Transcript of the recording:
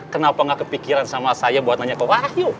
kenapa gak kepikiran sama saya buat nanya ke wahyu